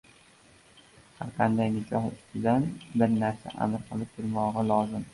Har qanday nikoh ustidan bir narsa amr qilib turmog‘i lozim: